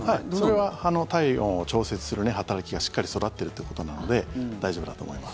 それは体温を調節する働きがしっかり育ってるってことなので大丈夫だと思います。